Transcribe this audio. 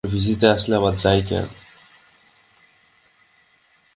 হারানের অধিবাসীরাও নক্ষত্র ও মূর্তি পূজা করত।